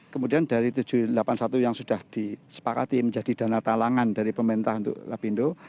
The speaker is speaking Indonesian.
kemudian dari tujuh ratus delapan puluh satu yang sudah disepakati menjadi dana talangan dari pemerintah untuk lapindo